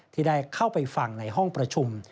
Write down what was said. ที่ได้เข้าไปฟังในห้องประชุม